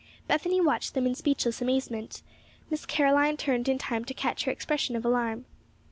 Bethany watched them in speechless amazement. Miss Caroline turned in time to catch her expression of alarm.